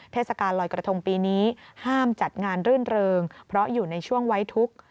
เทศกาลลอยกระทงปีนี้ห้ามจัดงานรื่นเริงเพราะอยู่ในช่วงไว้ทุกข์